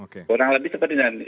kurang lebih seperti ini